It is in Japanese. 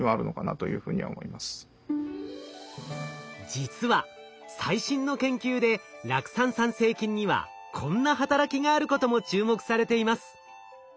実は最新の研究で酪酸産生菌にはこんな働きがあることも注目されています。